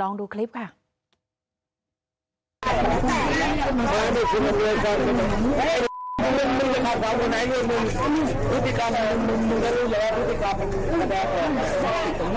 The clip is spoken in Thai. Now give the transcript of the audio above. ลองดูคลิปค่ะ